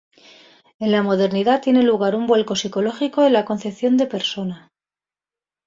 En la modernidad tiene lugar un vuelco psicológico en la concepción de persona.